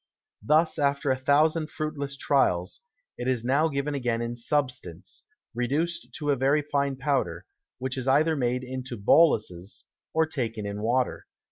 Thus after a thousand fruitless Trials, it is now given again in Substance, reduced to a very fine Powder, which is either made into Bolus's, or taken in Water.